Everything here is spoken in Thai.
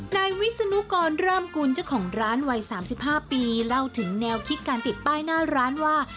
นายวิศนุกรร่ามกุลเจ้าของร้านวัย๓๕ปีเล่าถึงแนวคิดการติดป้ายหน้าร้านว่า